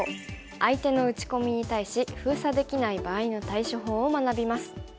相手の打ち込みに対し封鎖できない場合の対処法を学びます。